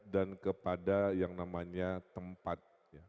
dan kepada yang namanya tempat